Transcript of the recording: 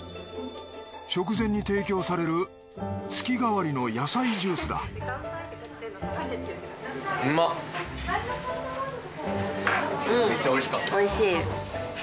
食前に提供される月替わりの野菜ジュースだめっちゃおいしかった。